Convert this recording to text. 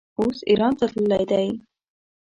اوس ایران ته تللی دی.